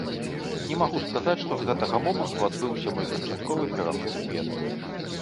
Не магу сказаць, што з гэтага моманту адбыўся мой канчатковы пераход у біятлон.